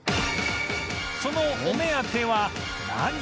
そのお目当ては何？